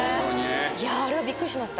あれはびっくりしました。